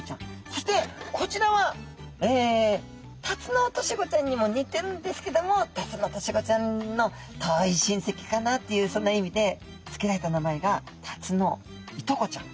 そしてこちらはタツノオトシゴちゃんにもにてるんですけどもタツノオトシゴちゃんの遠いしんせきかなっていうそんな意味でつけられた名前がタツノイトコちゃん。